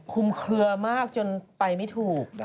เคลือมากจนไปไม่ถูก